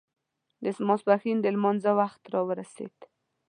د ماسپښين د لمانځه وخت را ورسېد.